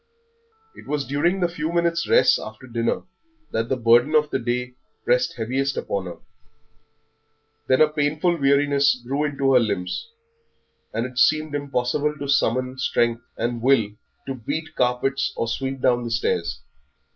It was during the few minutes' rest after dinner that the burden of the day pressed heaviest upon her; then a painful weariness grew into her limbs, and it seemed impossible to summon strength and will to beat carpets or sweep down the stairs.